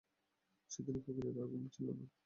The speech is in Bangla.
সেদিন কোকিলের আর ঘুম ছিল না।